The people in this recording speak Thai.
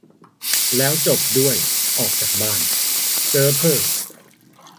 แล้วจบด้วย "ออกจากบ้าน" เจ๊อเพ่อ